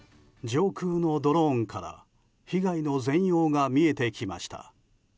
上空のドローンから被害の全容が見えてきました。